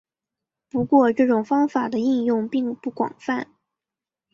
不过这种方法的应用并不广泛。